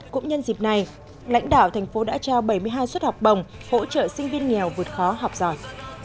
cũng nhân dịp này lãnh đạo thành phố đã trao bảy mươi hai suất học bổng hỗ trợ sinh viên nghèo vượt khó học giỏi